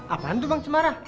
apaan tuh bang cemara